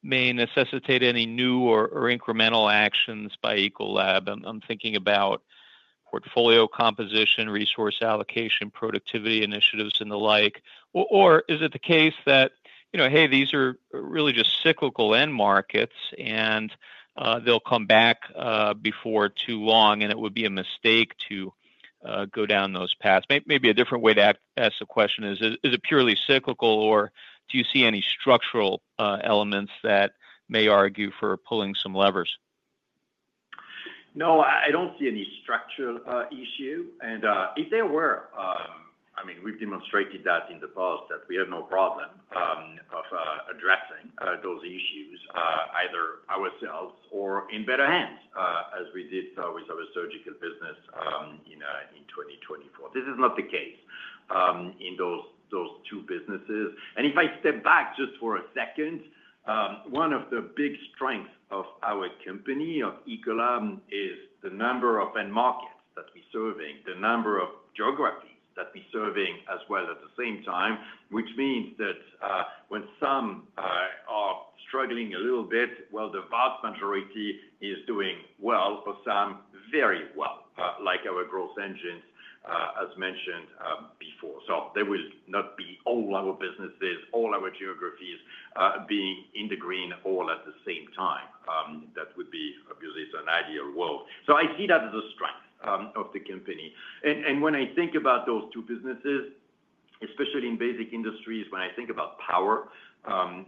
may necessitate any new or incremental actions by Ecolab. I'm thinking about portfolio composition, resource allocation, productivity initiatives, and the like. Or is it the case that, you know, hey, these are really just cyclical end markets and they'll come back before too long, and it would be a mistake to go down those paths? Maybe a different way to ask the question is, is it purely cyclical or do you see any structural elements that may argue for pulling some levers? No, I don't see any structure issue. If there were, I mean, we've demonstrated that in the past that we have no problem of addressing those issues either ourselves or in better hands as we did with our surgical business in 2024. This is not the case in those two businesses. If I step back just for a second, one of the big strengths of our company, of Ecolab, is the number of end markets that we're serving, the number of geographies that we're serving as well at the same time, which means that when some are struggling a little bit, the vast majority is doing well, for some, very well, like our growth engines, as mentioned before. There will not be all our businesses, all our geographies being in the green all at the same time. That would be, obviously, an ideal world. I see that as a strength of the company. When I think about those two businesses, especially in basic industries, when I think about power,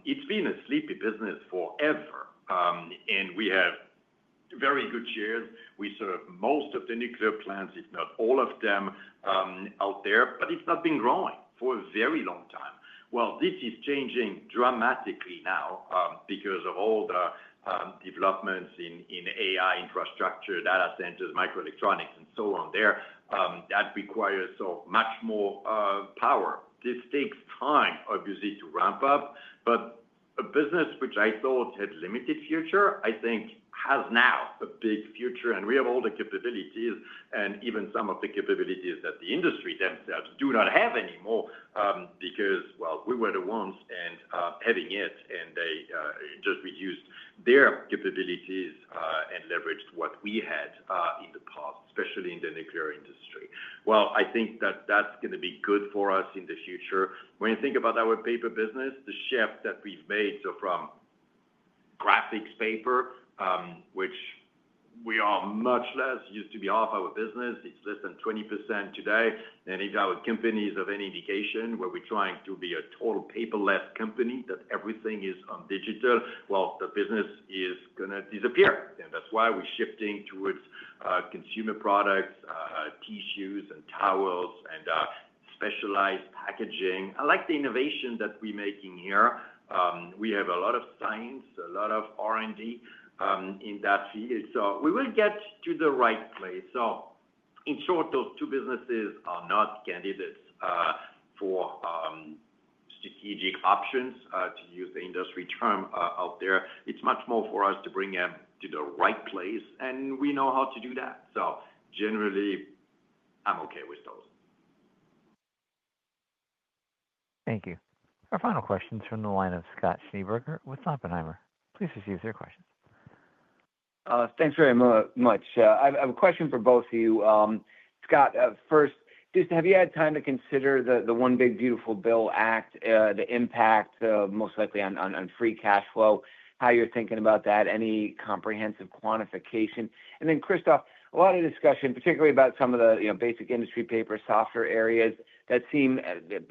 it's been a sleepy business forever. We have very good shares. We serve most of the nuclear plants, if not all of them out there, but it's not been growing for a very long time. This is changing dramatically now because of all the developments in AI infrastructure, data centers, microelectronics, and so on there. That requires much more power. This takes time, obviously, to ramp up, but a business which I thought had a limited future, I think has now a big future. We have all the capabilities and even some of the capabilities that the industry themselves do not have anymore because we were the ones having it, and they just reduced their capabilities and leveraged what we had in the past, especially in the nuclear industry. I think that that's going to be good for us in the future. When you think about our paper business, the shift that we've made from graphics paper, which we are much less, used to be half our business, it's less than 20%, today. If our company is of any indication where we're trying to be a total paperless company, that everything is on digital, the business is going to disappear. That's why we're shifting towards consumer products, tissues and towels, and specialized packaging. I like the innovation that we're making here. We have a lot of science, a lot of R&D, in that field. We will get to the right place. In short, those two businesses are not candidates for strategic options, to use the industry term out there. It's much more for us to bring them to the right place, and we know how to do that. Generally, I'm okay with those. Thank you. Our final question is from the line of Scott Schneeberger, with Oppenheimer. Please receive your questions. Thanks very much. I have a question for both of you. Scott, first, just have you had time to consider the One Big Beautiful Bill Act, the impact most likely on free cash flow, how you're thinking about that, any comprehensive quantification? Christophe, a lot of discussion, particularly about some of the basic industry paper software areas that seem,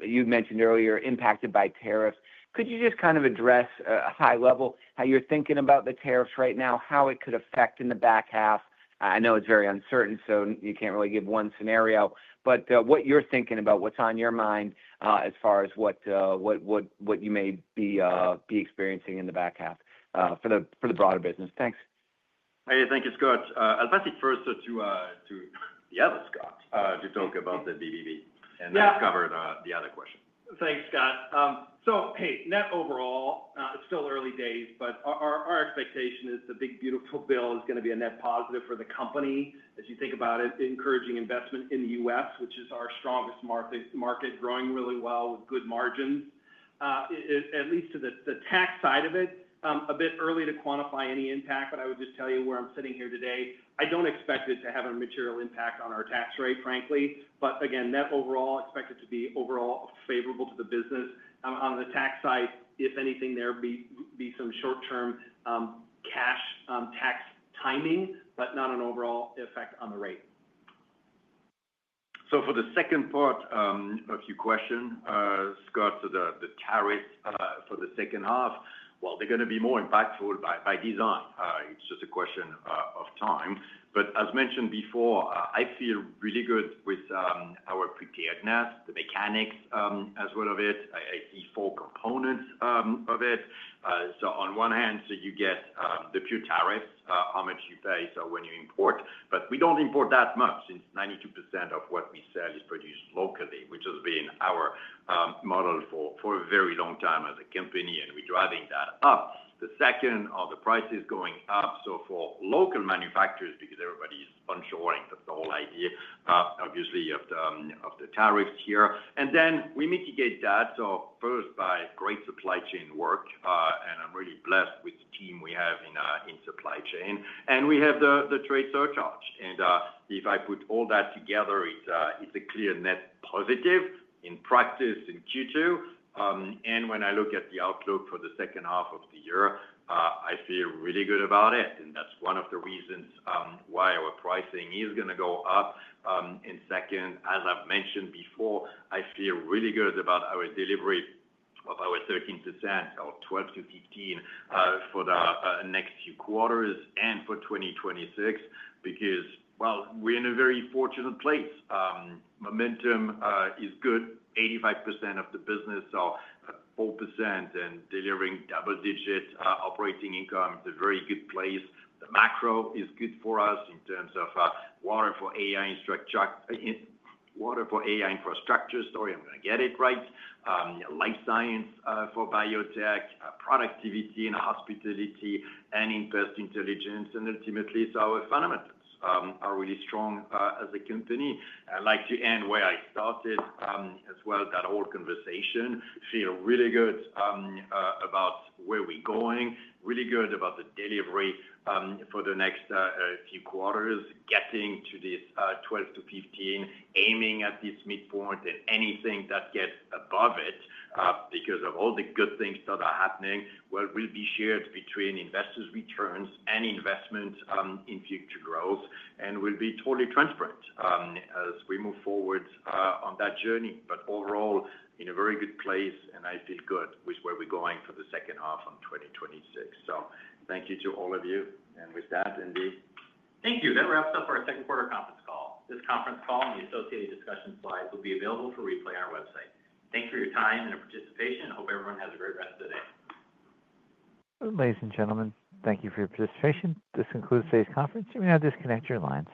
you mentioned earlier, impacted by tariffs. Could you just kind of address, at a high level, how you're thinking about the tariffs right now, how it could affect in the back half? I know it's very uncertain, so you can't really give one scenario, but what you're thinking about, what's on your mind as far as what you may be experiencing in the back half for the broader business. Thanks. Hey, thank you, Scott. I'll pass it first to the other Scott to talk about the BBB, and then cover the other question. Thanks, Scott. Hey, net overall, it's still early days, but our expectation is the Big Beautiful Bill, is going to be a net positive for the company as you think about it, encouraging investment in the U.S., which is our strongest market, growing really well with good margins. At least to the tax side of it, a bit early to quantify any impact, but I would just tell you where I'm sitting here today, I don't expect it to have a material impact on our tax rate, frankly. Again, net overall, expect it to be overall favorable to the business. On the tax side, if anything, there would be some short-term cash tax timing, but not an overall effect on the rate. For the second part of your question, Scott, the tariffs for the second half, they're going to be more impactful by design. It's just a question of time. As mentioned before, I feel really good with our preparedness, the mechanics as well of it. I see four components of it. On one hand, you get the pure tariffs, how much you pay when you import, but we do not import that much since 92%, of what we sell is produced locally, which has been our model for a very long time as a company, and we're driving that up. The second, the price is going up. For local manufacturers, because everybody's onshoring, that's the whole idea, obviously, of the tariffs here. Then we mitigate that. First, by great supply chain work, and I'm really blessed with the team we have in supply chain, and we have the trade surcharge. If I put all that together, it's a clear net positive in practice in Q2. When I look at the outlook for the second half of the year, I feel really good about it. That's one of the reasons why our pricing is going to go up. Second, as I've mentioned before, I feel really good about our delivery of our 13% or 12-15%, for the next few quarters and for 2026, because we're in a very fortunate place. Momentum is good. 85%, of the business are 4%, and delivering double-digit operating income. It's a very good place. The macro is good for us in terms of water for AI infrastructure. Sorry, I'm going to get it right. Life science for biotech, productivity and hospitality, and invest intelligence. Ultimately, our fundamentals are really strong as a company. I'd like to end where I started as well, that whole conversation. Feel really good about where we're going, really good about the delivery for the next few quarters, getting to this 12-15%, aiming at this midpoint, and anything that gets above it because of all the good things that are happening will be shared between investors' returns and investment in future growth, and will be totally transparent as we move forward on that journey. Overall, in a very good place, and I feel good with where we're going for the second half of 2026. Thank you to all of you. With that, Andy. Thank you. That wraps up our second quarter conference call. This conference call and the associated discussion slides will be available for replay on our website. Thank you for your time and participation, and I hope everyone has a great rest of the day. Ladies and gentlemen, thank you for your participation. This concludes today's conference. You may now disconnect your lines.